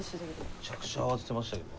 めちゃくちゃ慌ててましたけど。